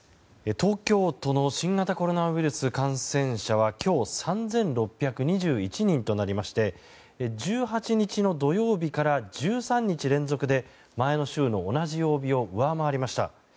東京都の新型コロナウイルス感染者は今日３６２１人となりまして１８日の土曜日から１３日連続で前の週の同じ曜日を上回りました。